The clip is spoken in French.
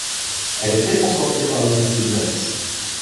Elle était transportée par le missile Lance.